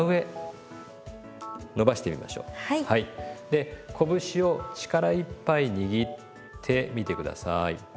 でこぶしを力いっぱい握ってみて下さい。